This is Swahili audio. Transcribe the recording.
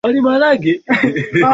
Njoo tucheze karata bila pesa